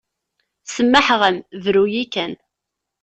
Semmḥeɣ-am bru-yi kan.